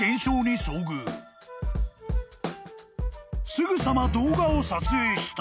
［すぐさま動画を撮影した］